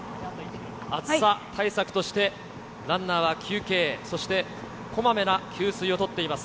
暑さ対策として、ランナーは休憩、そしてこまめな給水をとっています。